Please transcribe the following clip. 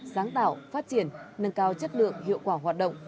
lãnh đạo phát triển nâng cao chất lượng hiệu quả hoạt động